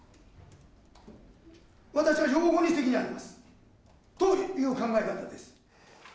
私は両方に責任がありますという考え方です。